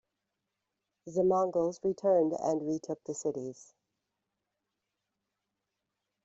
The Mongols returned and retook the cities.